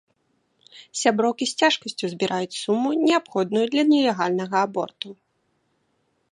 Сяброўкі з цяжкасцю збіраюць суму, неабходную для нелегальнага аборту.